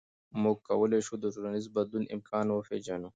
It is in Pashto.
موږ کولی شو د ټولنیز بدلون امکان وپېژنو.